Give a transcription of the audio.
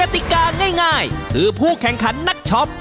ติกาง่ายคือผู้แข่งขันนักช็อป